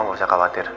nggak usah khawatir